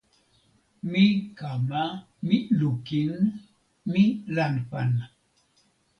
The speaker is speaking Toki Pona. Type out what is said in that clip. mi kama. mi lukin. mi lanpan.